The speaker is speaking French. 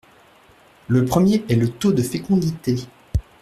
Le premier est le taux de fécondité.